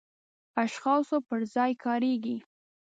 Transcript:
اشخاصو پر ځای کاریږي.